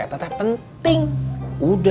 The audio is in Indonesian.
nanti kita ke sana